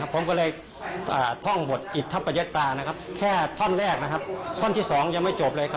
ผมก็เลยท่องบทอิทธัพประเย็ดตาแค่ท่อนแรกท่อนที่สองยังไม่จบเลย